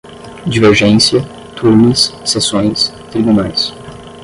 divergência, turmas, seções, tribunais